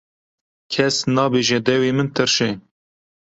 Kes nabêje dewê min tirş e.